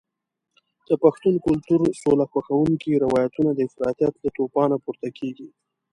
د پښتون کلتور سوله خوښونکي روایتونه د افراطیت له توپانه پورته کېږي.